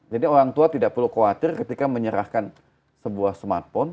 jadi orang tua tidak perlu khawatir ketika menyerahkan sebuah smartphone